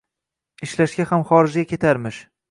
Ishlashga ham xorijga ketarmish